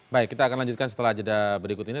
baik kita akan lanjutkan setelah jeda berikut ini